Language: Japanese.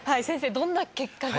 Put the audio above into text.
どんな結果が？